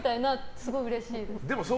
すごいうれしい。